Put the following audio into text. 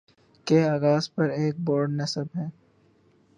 کے آغاز پر ایک بورڈ نصب ہے